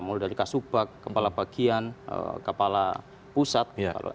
mulai dari kasubag kepala bagian kepala pusat